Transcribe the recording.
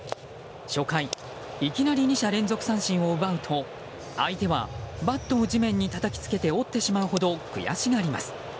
初回、いきなり２者連続三振を奪うと相手はバットを地面にたたきつけて折ってしまうほど悔しがります。